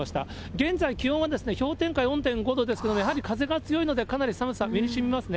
現在、気温は氷点下４．５度ですけど、やはり風が強いので、かなり寒さ、身にしみますね。